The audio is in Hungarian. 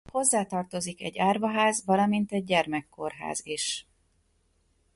Hozzátartozik egy árvaház valamint egy gyermekkórház is.